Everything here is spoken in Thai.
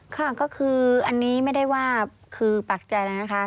ค่ะก็คืออันนี้ไม่ได้ว่าคือปักใจแล้วนะคะ